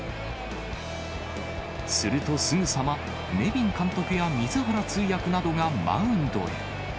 するとすぐさま、ネビン監督や水原通訳などがマウンドへ。